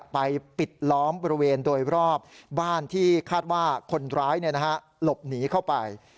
ปิดล้อมบริเวณโดยรอบบ้านที่คาดว่าคนร้ายหลบหนีเข้าไป